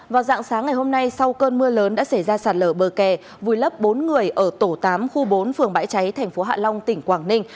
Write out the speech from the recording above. vào dạng sáng ngày hôm nay sau cơn mưa lớn đã xảy ra sạt lở bờ kè vùi lấp bốn người ở tổ tám khu bốn phường bãi cháy thành phố hạ long tỉnh quảng ninh